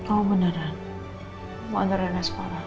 oh beneran mau antarin es para